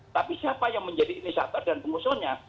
tapi siapa yang menjadi inisiatif dan pengusuhnya